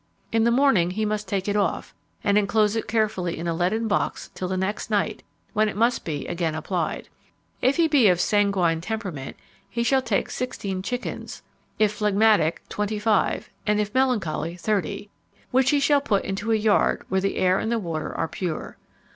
In the morning, he must take it off, and enclose it carefully in a leaden box till the next night, when it must be again applied. If he be of a sanguine temperament, he shall take sixteen chickens; if phlegmatic, twenty five; and if melancholy, thirty, which he shall put into a yard where the air and the water are pure.